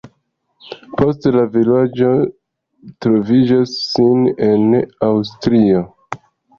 Poste la vilaĝo trovis sin en Aŭstrio.